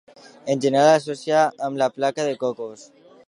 En general s'associa amb la Placa de Cocos.